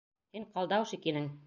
Һин ҡалдаушик инең.